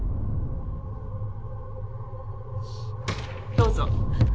どうぞ。